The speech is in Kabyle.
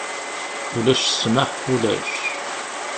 Ulac ssmaḥ, ulac!